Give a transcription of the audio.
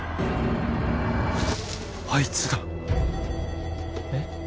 あいつだえっ？